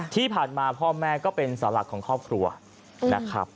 ที่ผ่านมาพ่อแม่ก็เป็นสาวหลักของครอบครัวนะครับ